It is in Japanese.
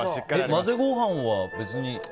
混ぜご飯は別に？